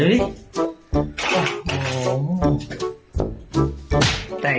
เย็น